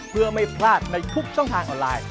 เพื่อไม่พลาดในทุกช่องทางออนไลน์